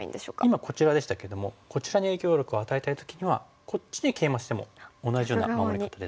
今こちらでしたけどもこちらに影響力を与えたい時にはこっちにケイマしても同じような守り方ですね。